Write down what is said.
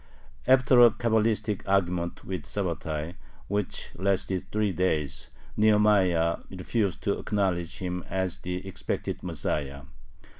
After a Cabalistic argument with Sabbatai, which lasted three days, Nehemiah refused to acknowledge him as the expected Messiah.